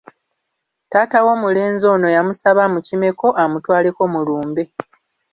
Taata w'omulenzi ono yamusaba amukimeko amutwaleko mu lumbe.